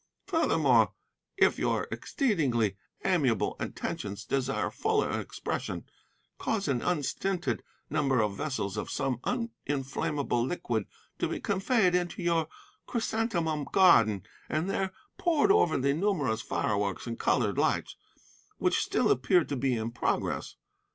Furthermore, if your exceedingly amiable intentions desire fuller expression, cause an unstinted number of vessels of some uninflammable liquid to be conveyed into your chrysanthemum garden and there poured over the numerous fireworks and coloured lights which still appear to be in progress.